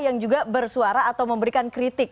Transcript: yang juga bersuara atau memberikan kritik